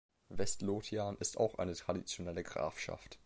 West Lothian ist auch eine traditionelle Grafschaft.